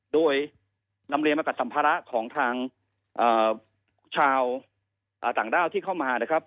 โดยนำเรียนมากับสัมภาระของทางชาวต่างด้าวที่เข้ามานะครับ